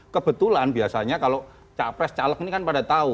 kebetulan biasanya kalau capres caleg ini kan pada tahu